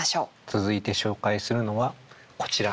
続いて紹介するのはこちら。